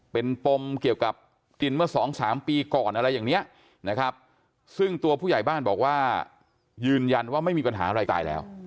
เป็นปมเกี่ยวกับกินเมื่อสองสามปีก่อนอะไรอย่างนี้นะครับซึ่งตัวผู้ใหญ่บ้านบอกว่ายืนยันว่าไม่มีปัญหาอะไรตายแล้ว